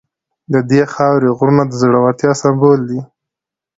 د دې خاورې غرونه د زړورتیا سمبول دي.